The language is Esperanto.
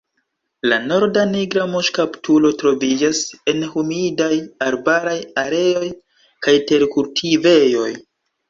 La Norda nigra muŝkaptulo troviĝas en humidaj arbaraj areoj kaj terkultivejoj.